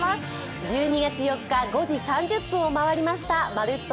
１２月４日５時３０分を回りました「まるっと！